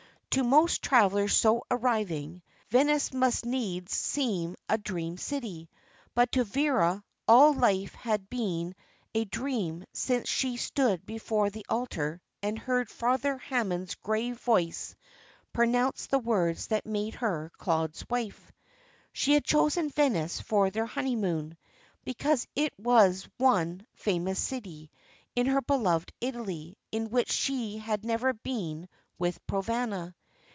To most travellers so arriving, Venice must needs seem a dream city; but to Vera all life had been a dream since she had stood before the altar and heard Father Hammond's grave voice pronounce the words that made her Claude's wife. She had chosen Venice for their honeymoon, because it was the one famous city in her beloved Italy in which she had never been with Provana.